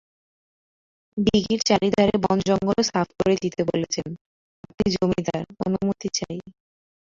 দিঘির চারি ধারের বনজঙ্গলও সাফ করে দিতে বলেছেন– আপনি জমিদার, অনুমতি চাই।